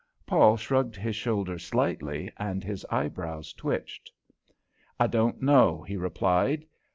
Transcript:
Paul shrugged his shoulders slightly and his eyebrows twitched. "I don't know," he replied.